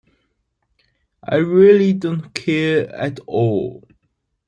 I really don't care at all.